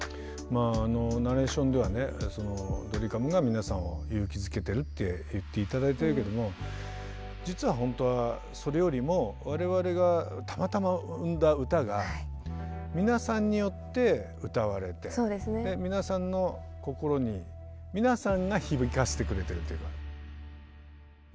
ナレーションではねドリカムが皆さんを勇気づけてるって言って頂いてるけども実はほんとはそれよりも我々がたまたま生んだ歌が皆さんによって歌われて皆さんの心に皆さんが響かせてくれてるっていうか。